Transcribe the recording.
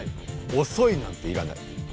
おそいなんていらない。